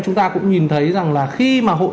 chúng ta cũng nhìn thấy rằng là khi mà hội